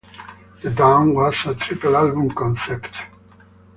"The Dawn" was a triple-album concept.